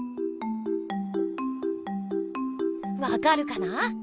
わかるかな？